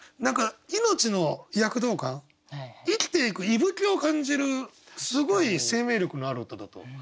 何か命の躍動感生きていく息吹を感じるすごい生命力のある歌だと。